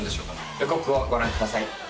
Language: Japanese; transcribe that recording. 予告をご覧ください